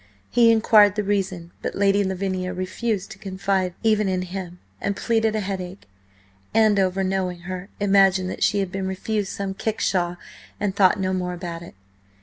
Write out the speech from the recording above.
He inquired the reason, but Lady Lavinia refused to confide even in him, and pleaded a headache. Andover, knowing her, imagined that she had been refused some kickshaw, and thought no more about it.